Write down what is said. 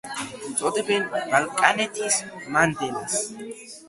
უწოდებენ „ბალკანეთის მანდელას“.